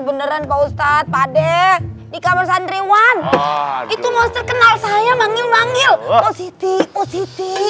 beneran bau saat pade di kamar sandriwan itu monster kenal saya manggil manggil posisi posisi